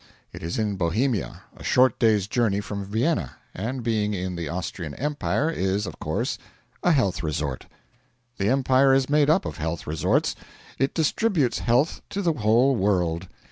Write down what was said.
It is in Bohemia, a short day's journey from Vienna, and being in the Austrian Empire is of course a health resort. The empire is made up of health resorts; it distributes health to the whole world.